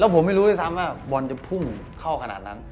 ผมไม่รู้ด้วยซ้ำว่าบอลจะพุ่งเข้าขนาดนั้น